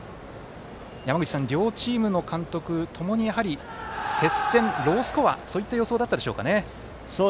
両チームの監督ともに、やはり接戦、ロースコアそういった予想だったでしょうか。